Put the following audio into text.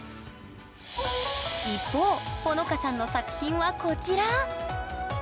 一方ほのかさんの作品はこちら！